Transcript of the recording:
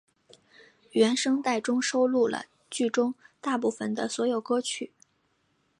原声带中收录了剧中大部份的所有歌曲。